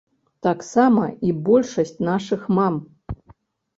Таксама і большасць нашых мам.